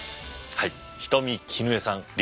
はい。